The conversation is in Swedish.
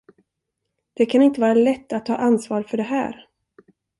Det kan inte vara lätt att ha ansvar för det här.